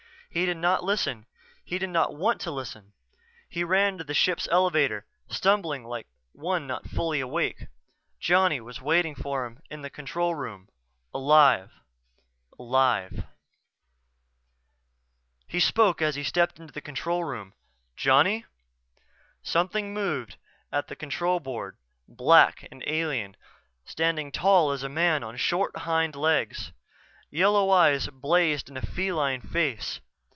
He did not listen he did not want to listen. He ran to the ship's elevator, stumbling like one not fully awake. Johnny was waiting for him in the control room alive alive He spoke as he stepped into the control room: "Johnny " Something moved at the control board, black and alien, standing tall as a man on short hind legs. Yellow eyes blazed in a feline face.